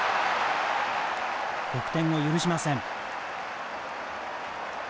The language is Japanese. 得点を許しません。